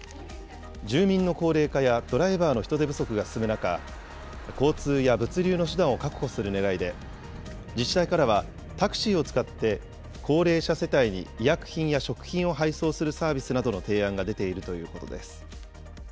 住民の高齢化やドライバーの人手不足が進む中、交通や物流の手段を確保するねらいで、自治体からはタクシーを使って高齢者世帯に医薬品や食品を配送するサービスなどの提案が出ているということです。